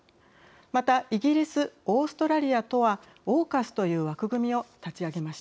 またイギリスオーストラリアとはＡＵＫＵＳという枠組みを立ち上げました。